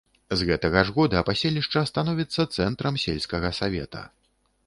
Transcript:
З гэтага ж года паселішча становіцца цэнтрам сельскага савета.